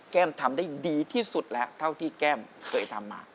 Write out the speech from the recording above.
ทำได้ดีที่สุดแล้วเท่าที่แก้มเคยทำมา